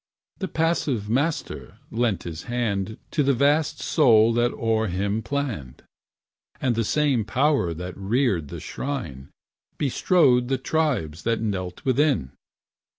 The passive Master lent his hand To the vast soul that o'er him planned; And the same power that reared the shrine Bestrode the tribes that knelt within.